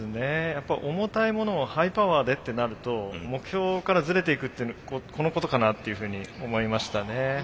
やっぱ重たいものをハイパワーでってなると目標からズレていくっていうのこのことかなっていうふうに思いましたね。